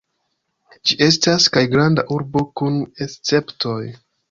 Ĝi estas kaj Granda Urbo kun Esceptoj.